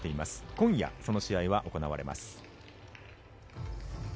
今夜、その試合は行われます。